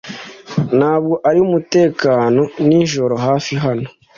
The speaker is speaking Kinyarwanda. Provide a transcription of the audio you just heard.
Ntabwo ari umutekano nijoro hafi hano.